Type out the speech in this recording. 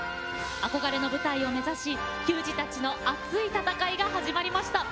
憧れの舞台を目指し球児たちの熱い戦いが始まりました。